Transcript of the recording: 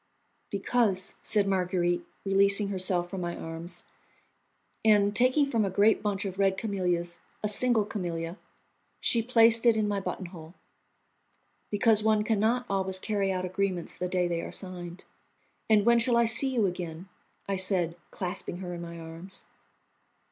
"Because," said Marguerite, releasing herself from my arms, and, taking from a great bunch of red camellias a single camellia, she placed it in my buttonhole, "because one can not always carry out agreements the day they are signed." "And when shall I see you again?" I said, clasping her in my arms.